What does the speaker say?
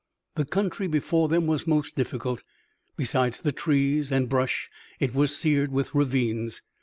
The country before them was most difficult. Besides the trees and brush it was seared with ravines.